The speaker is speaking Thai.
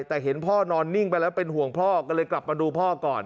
แต่เห็นพ่อนอนนิ่งไปแล้วเป็นห่วงพ่อก็เลยกลับมาดูพ่อก่อน